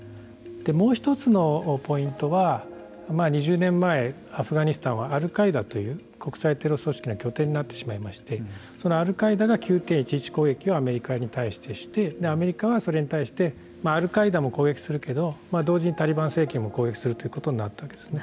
もう一つのポイントは２０年前アフガニスタンはアルカイダという国際テロ組織の拠点になってしまいましてそのアルカイダが９・１１をしてアメリカに対してアメリカは、それに対してアルカイダも攻撃するけど同時にタリバン政権も攻撃するということになったわけですね。